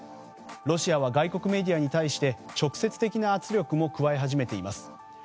ロシアは外国メディアに対して直接的な圧力も加え始めています。